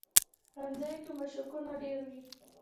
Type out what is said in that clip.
ښوونځی کې مشقونه ډېر وي